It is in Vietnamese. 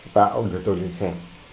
và ông rời tôi lên xe